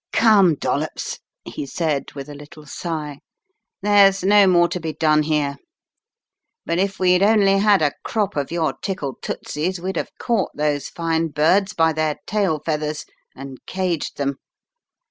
Come, Dollops," he said with a little sigh, there's no more to be done here. But if we'd only had a crop of your * tickle tootsies ' we'd have caught those fine birds by their tail feathers and caged them.